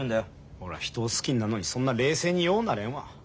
俺は人を好きになるのにそんな冷静にようなれんわ。